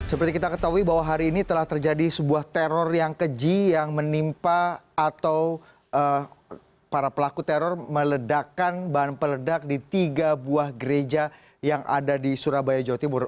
seperti kita ketahui bahwa hari ini telah terjadi sebuah teror yang keji yang menimpa atau para pelaku teror meledakan bahan peledak di tiga buah gereja yang ada di surabaya jawa timur